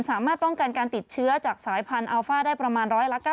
สามารถป้องกันการติดเชื้อจากสายพันธุ์อัลฟ่าได้ประมาณ๑๙